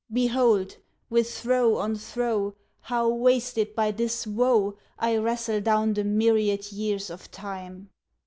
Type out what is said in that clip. Behold, with throe on throe, How, wasted by this woe, I wrestle down the myriad years of Time!